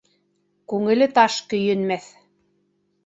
Күңеле таш көйөнмәҫ.